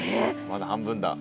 まだ半分だ。